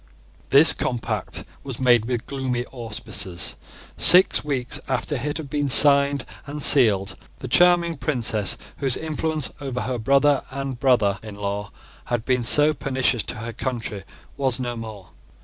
This compact was made with gloomy auspices. Six weeks after it had been signed and sealed, the charming princess, whose influence over her brother and brother in law had been so pernicious to her country, was no more.